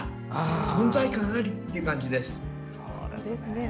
存在感ありという感じです。